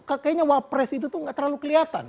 kayaknya wapres itu tuh gak terlalu kelihatan